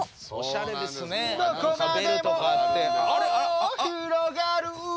どこまでも広がる